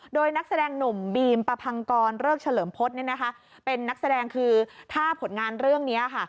โดยนักแสดงหนุ่มบีมประพังกรเริกเฉลิมพฤษเป็นนักแสดงคือถ้าผลงานเรื่องนี้ค่ะ